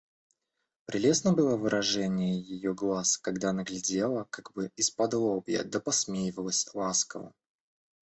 Прелестно было выражение ее глаз, когда она глядела как бы исподлобья да посмеивалась ласково.